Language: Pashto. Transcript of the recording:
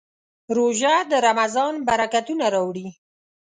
روژه د رمضان برکتونه راوړي.